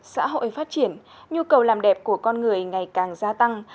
xã hội phát triển nhu cầu làm đẹp của con người ngày càng gia tăng